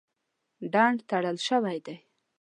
ډنډ تړل شوی دی.